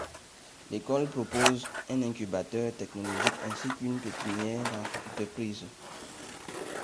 L'école propose un incubateur technologique ainsi qu'une pépinière d'entreprises.